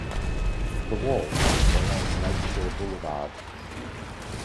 The wall runs along Lakeshore Boulevard.